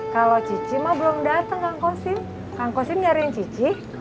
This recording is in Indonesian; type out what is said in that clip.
kalau cici mah belum datang kang kosin kang kosin nyariin cici